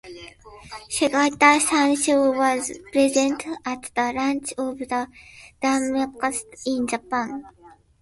Segata Sanshiro was present at the launch of the Dreamcast in Japan.